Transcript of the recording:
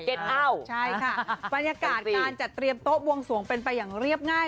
ใช่ค่ะบรรยากาศการจัดเตรียมโต๊ะบวงสวงเป็นไปอย่างเรียบง่าย